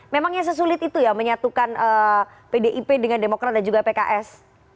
memangnya sesulit itu ya menyatukan pdip dengan demokrat dan juga pks